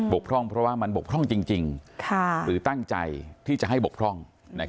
กพร่องเพราะว่ามันบกพร่องจริงหรือตั้งใจที่จะให้บกพร่อง